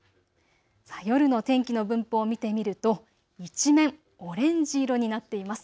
夜の天気の分布を見てみると一面オレンジ色になっています。